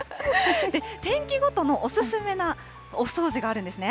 天気ごとのお勧めなお掃除があるんですね。